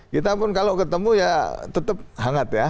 kita pun kalau ketemu ya tetap hangat ya